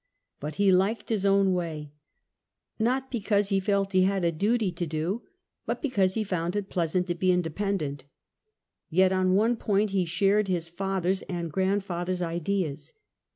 But he liked his own way, not because he felt that he had a duty to do, but because he found it pleasant to be independent. Yet on one point he shared his father's and grandfather's ideas.